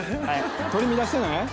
取り乱してない？